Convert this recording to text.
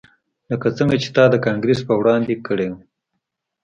لکه څنګه چې تا د کانګرس په وړاندې کړي وو